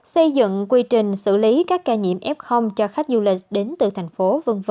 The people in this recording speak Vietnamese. xây dựng quy trình xử lý các ca nhiễm f cho khách du lịch đến từ thành phố v v